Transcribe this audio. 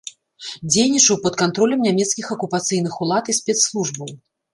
Дзейнічаў пад кантролем нямецкіх акупацыйных улад і спецслужбаў.